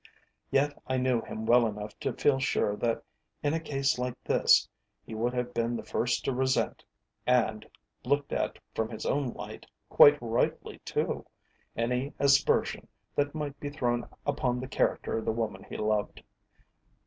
Yet I knew him well enough to feel sure that in a case like this he would have been the first to resent and, looked at from his own light, quite rightly too any aspersion that might be thrown upon the character of the woman he loved.